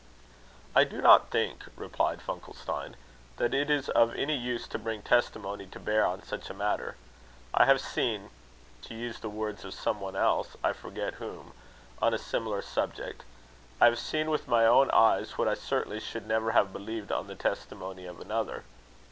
"I do not think," replied Funkelstein, "that it is of any use to bring testimony to bear on such a matter. I have seen to use the words of some one else, I forget whom, on a similar subject I have seen with my own eyes what I certainly should never have believed on the testimony of another.